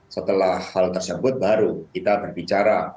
setelah hal tersebut baru kita berbicara